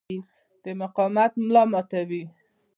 د مقاومت ملا ماتوي.